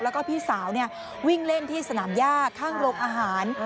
แล้วก็พี่สาววิ่งเล่นที่สนามย่าข้างโรงอาหาร